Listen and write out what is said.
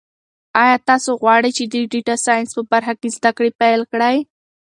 ایا تاسو غواړئ چې د ډیټا ساینس په برخه کې زده کړې پیل کړئ؟